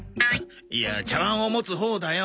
いや茶わんを持つほうだよ。